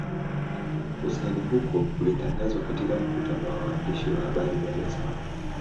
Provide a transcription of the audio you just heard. Kusaini huko kulitangazwa katika mkutano wa waandishi wa habari Dar es Salaam